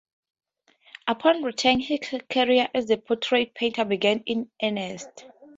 Upon returning, his career as a portrait painter began in earnest.